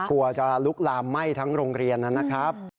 กลัวจะลุกลามไหม้ทั้งโรงเรียนนะครับ